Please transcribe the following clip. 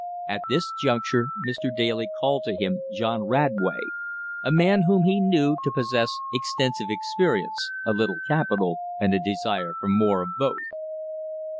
At this juncture Mr. Daly called to him John Radway, a man whom he knew to possess extensive experience, a little capital, and a desire for more of both.